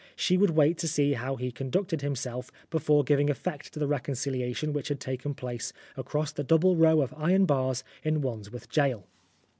She would wait to see how he con ducted himself before giving effect to the reconciliation which had taken place across the double row of iron bars in Wandsworth Gaol.